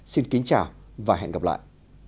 xin kính chào và hẹn gặp lại